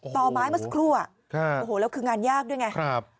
ต่อไม้เมื่อสักครู่โอ้โหแล้วคืองานยากด้วยไง